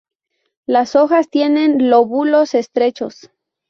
Las hojas tienen lóbulos estrechos.